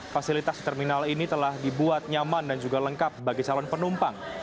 fasilitas terminal ini telah dibuat nyaman dan juga lengkap bagi calon penumpang